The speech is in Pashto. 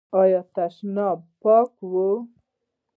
ایا تشناب پاک و؟